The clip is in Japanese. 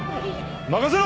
任せろ！